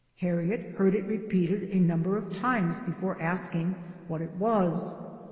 Harriet heard it repeated a number of times before asking what it was.